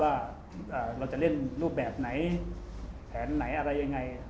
ว่าเราจะเล่นรูปแบบไหนแผนไหนอะไรยังไง